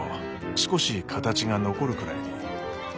少し形が残るくらいに。